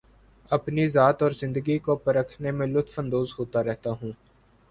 اپنی ذات اور زندگی کو پرکھنے میں لطف اندوز ہوتا رہتا ہوں